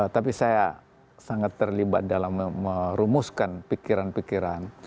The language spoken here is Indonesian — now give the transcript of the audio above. tapi saya sangat terlibat dalam merumuskan pikiran pikiran